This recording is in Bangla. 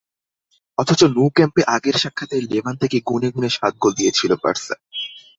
অথচ ন্যু ক্যাম্পে আগের সাক্ষাতে লেভান্তেকে গুনে গুনে সাত গোল দিয়েছিল বার্সা।